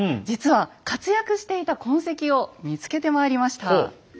実は活躍していた痕跡を見つけてまいりました。